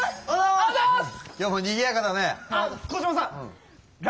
ありがとうございます！